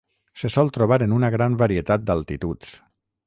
Se sol trobar en una gran varietat d'altituds.